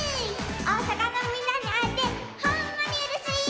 おおさかのみんなにあえてほんまにうれスイ！